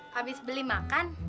habis beli makan